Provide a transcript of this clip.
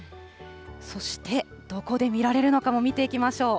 そしてどこで見られるのかも見ていきましょう。